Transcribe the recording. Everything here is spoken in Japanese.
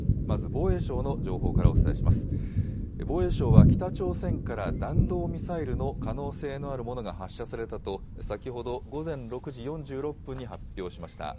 防衛省は、北朝鮮から弾道ミサイルの可能性のあるものが発射されたと、先ほど午前６時４６分に発表しました。